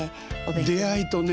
出会いとね